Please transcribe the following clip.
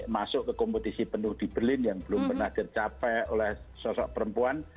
masuk ke kompetisi penuh di berlin yang belum pernah dicapai oleh sosok perempuan